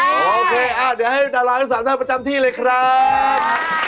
โอเคเดี๋ยวให้ดารามหายศาลนั้นมาจำที่เลยครับ